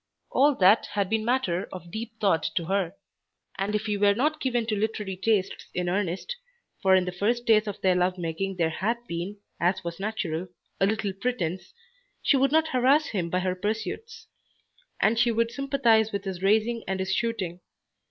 All that had been matter of deep thought to her. And if he were not given to literary tastes in earnest, for in the first days of their love making there had been, as was natural, a little pretence, she would not harass him by her pursuits. And she would sympathise with his racing and his shooting.